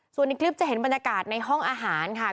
ส่วนในคลิปจะเห็นบรรยากาศในห้องอาหารค่ะ